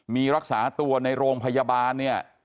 มีรักษาตัวในโรงพยาบาลเนี่ย